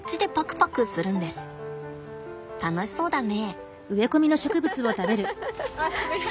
楽しそうだね。